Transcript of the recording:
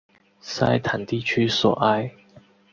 塞坦地区索埃。